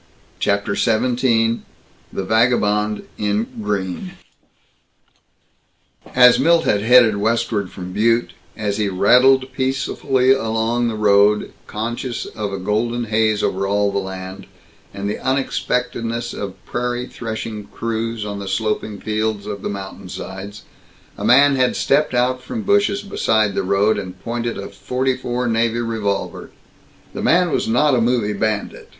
CHAPTER XVII THE VAGABOND IN GREEN As Milt had headed westward from Butte, as he rattled peacefully along the road, conscious of golden haze over all the land, and the unexpectedness of prairie threshing crews on the sloping fields of mountainsides, a man had stepped out from bushes beside the road, and pointed a .44 navy revolver. The man was not a movie bandit.